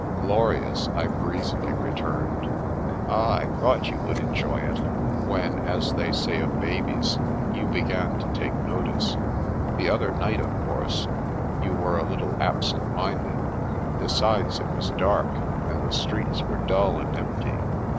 Glorious," I breezily returned. Ah, I thought you would enjoy it, when — ^as they say of babies — ^you * began to take notice.' The other night, of course, you were a little absent minded. Besides, it was dark, and the streets were dull and empty.